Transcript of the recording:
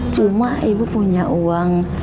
cuma ibu punya uang